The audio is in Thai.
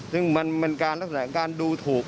ซึ่งมันเป็นการลักษณะของการดูถูก